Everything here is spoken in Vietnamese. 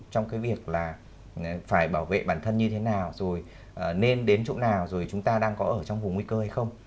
trong cái việc là phải bảo vệ bản thân như thế nào rồi nên đến chỗ nào rồi chúng ta đang có ở trong vùng nguy cơ hay không